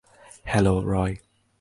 Hello, Roy.